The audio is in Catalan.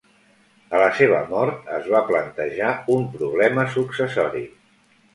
A la seva mort, es va plantejar un problema successori.